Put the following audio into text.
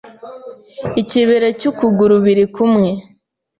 ikibero cy’ukuguru biri kumwe